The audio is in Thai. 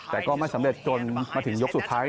แต่ก็ไม่สำเร็จจนมาถึงยกสุดท้าย